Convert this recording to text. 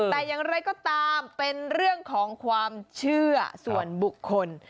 แต่อย่างไรก็ตามเป็นเรื่องของความเชื่อส่วนบุคคล